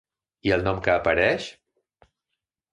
I el nom que apareix?